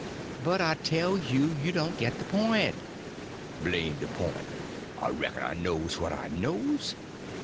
"But I tell you you don't get the point." "Blame de point! I reck'n I knows what I knows.